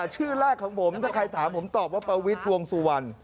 ชื่อแรกของผมถ้าใครถามผมตอบว่าประวิทย์วงสุวรรณ